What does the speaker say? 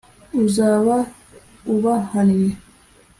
uzaba ubahannye